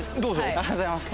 ありがとうございます。